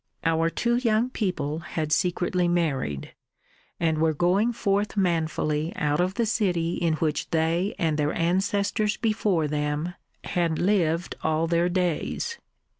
Our two young people had secretly married, and were going forth manfully out of the city in which they and their ancestors before them had lived all their days.